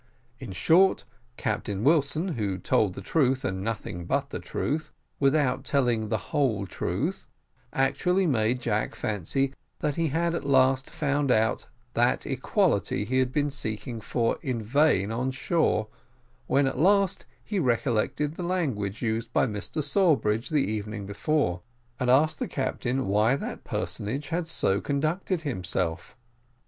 In short, Captain Wilson, who told the truth, and nothing but the truth, without telling the whole truth, actually made Jack fancy that he had at last found out that equality he had been seeking for in vain on shore, when, at last, he recollected the language used by Mr Sawbridge the evening before, and asked the captain why that personage had so conducted himself.